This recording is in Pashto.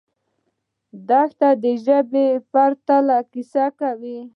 دښته د ژبې پرته کیسه کوي.